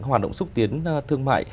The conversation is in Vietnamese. hoạt động xúc tiến thương mại